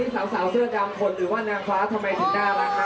สาวเสื้อดำคนหรือว่านางฟ้าทำไมถึงน่ารักคะ